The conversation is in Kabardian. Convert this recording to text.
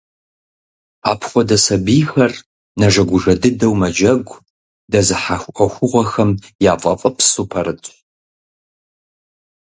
Апхуэдэ сабийхэр нэжэгужэ дыдэу мэджэгу, дэзыхьэх Ӏуэхугъуэхэм яфӀэфӀыпсу пэрытщ.